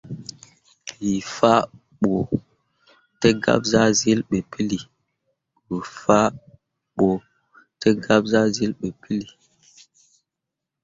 Bə faa ɓo tə gab zahsyil ɓe pəli.